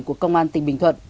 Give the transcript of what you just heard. của công an tỉnh bình thuận